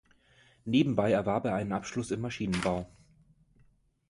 Nebenbei erwarb er einen Abschluss in Maschinenbau.